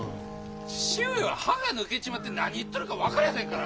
父上は歯が抜けちまって何言っとるか分かりゃあせんから。